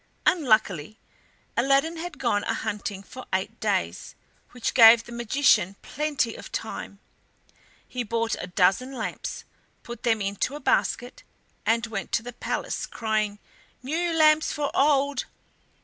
Unluckily, Aladdin had gone a hunting for eight days, which gave the magician plenty of time. He bought a dozen lamps, put them into a basket, and went to the palace, crying: "New lamps for old!"